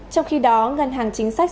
trong khi đó ngân hàng chính sách